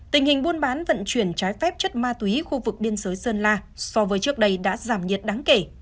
tình hình buôn bán vận chuyển trái phép chất ma túy khu vực biên giới sơn la